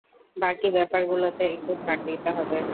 বাকি ব্যাপারগুলোতে, একটু ধার দিতে হবে।